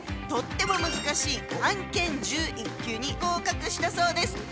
とっても難しい漢検準１級に合格したそうです。